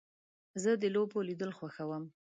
زه د لوبو لیدل خوښوم.